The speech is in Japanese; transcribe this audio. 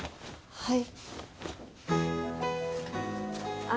はい。